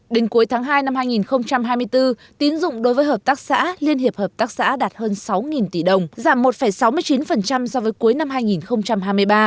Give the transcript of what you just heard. đến cuối tháng hai năm hai nghìn hai mươi bốn tín dụng đối với hợp tác xã liên hiệp hợp tác xã đạt hơn sáu tỷ đồng giảm một sáu mươi chín so với cuối năm hai nghìn hai mươi ba